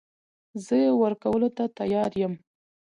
زه يې ورکولو ته تيار يم .